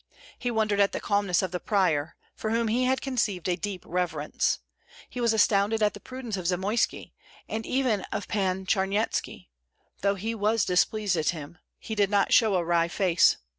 He wondered at the calmness of the prior, for whom he had conceived a deep reverence; he was astonished at the prudence of Zamoyski, and even of Pan Charnyetski; though he was displeased at him, he did not show a wry face.